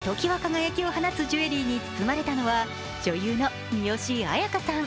中でもひときわ輝きを放つジュエリーに包まれたのは女優の三吉彩花さん。